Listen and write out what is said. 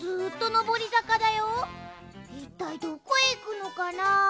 いったいどこへいくのかな。